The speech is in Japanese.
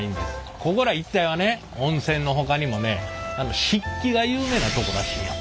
ここら一帯はね温泉のほかにもね漆器が有名なとこらしいんやわ。